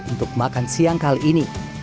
untuk makan siang kali ini